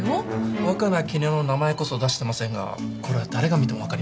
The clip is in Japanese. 若菜絹代の名前こそ出してませんがこれは誰が見ても分かりますね。